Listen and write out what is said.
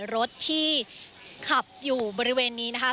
รถที่ขับอยู่บริเวณนี้นะคะ